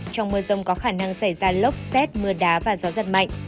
trong mưa rông có khả năng xảy ra lốc xét mưa đá và gió giật mạnh